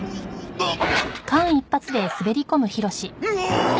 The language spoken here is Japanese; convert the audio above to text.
あっ！